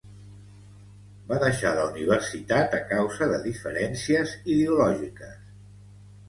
Va deixar la universitat a causa de diferències ideològiques.